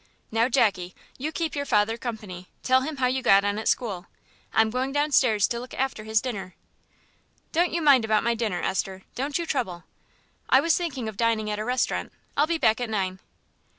"Now, Jackie, you keep your father company; tell him how you got on at school. I'm going downstairs to look after his dinner." "Don't you mind about my dinner, Esther, don't you trouble; I was thinking of dining at a restaurant. I'll be back at nine."